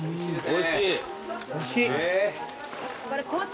おいしい。